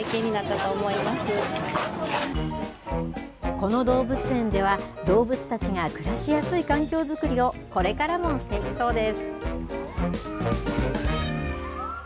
この動物園では、動物たちが暮らしやすい環境づくりをこれからもしていくそうです。